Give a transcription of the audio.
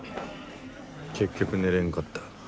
結局寝れんかった。